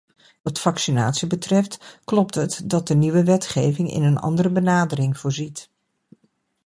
Wat vaccinatie betreft, klopt het dat de nieuwe wetgeving in een andere benadering voorziet.